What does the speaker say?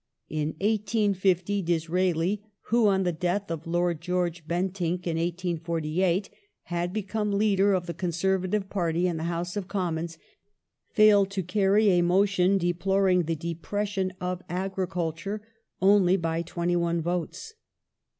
In 1850 Disraeli, who on tion the death of Lord George Bentinck (1848) had become leader of the Conservative Party in the House of Commons, failed to carry a motion deploring the depression of agriculture only by twenty one votes.